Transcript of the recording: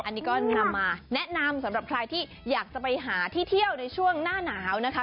อันนี้ก็นำมาแนะนำสำหรับใครที่อยากจะไปหาที่เที่ยวในช่วงหน้าหนาวนะคะ